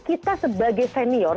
kita sebagai senior